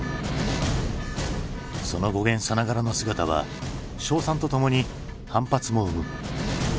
その語源さながらの姿は称賛とともに反発も生む。